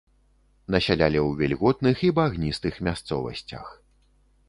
Насялялі ў вільготных і багністых мясцовасцях.